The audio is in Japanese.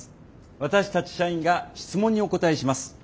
私たち社員が質問にお答えします。